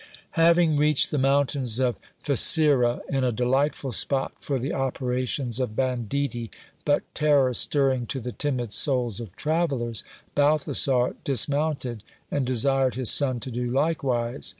Having reached the mountains of Fesira, in a delightful spot for the opera tions of banditti, but terror stirring to the timid souls of travellers, Balthasar dismounted, and desired his son to do likewise.